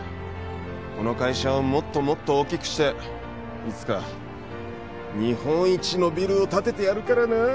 この会社をもっともっと大きくしていつか日本一のビルを建ててやるからな